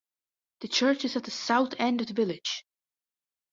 The church is at the south end of the village.